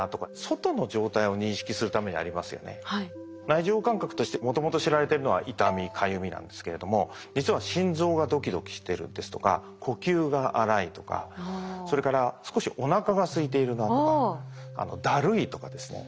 内受容感覚としてもともと知られてるのは痛みかゆみなんですけれども実は心臓がドキドキしてるですとか呼吸が荒いとかそれから少しおなかがすいているなとかだるいとかですね